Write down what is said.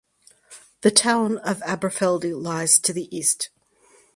The town of Aberfeldy lies to the east.